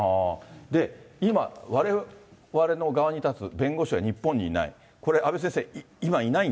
今、われわれの側に立つ弁護士が日本にいない。